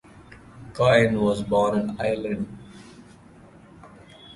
Coyne was born in Ireland.